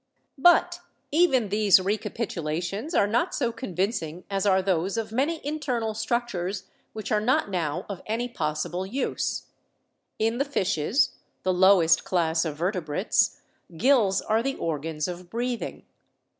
But even these recapitulations are not so convincing as are those of many internal structures which are not now of any possible use. In the fishes, the lowest class of verte brates, gills are the organs of breathing.